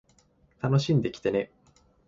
楽しんできてね